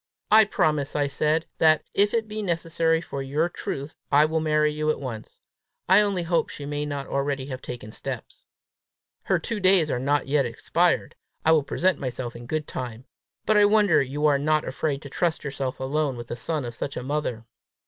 "I promise," I said, "that, if it be necessary for your truth, I will marry you at once. I only hope she may not already have taken steps!" "Her two days are not yet expired. I shall present myself in good time. But I wonder you are not afraid to trust yourself alone with the son of such a mother!"